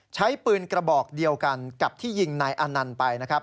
ใช้ปืนกระบอกเดียวกันกับที่ยิงนายอันนันทร์ไป